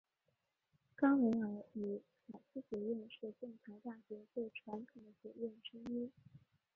冈维尔与凯斯学院是剑桥大学最传统的学院之一。